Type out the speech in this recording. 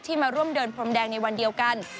มาร่วมเดินพรมแดงในวันเดียวกัน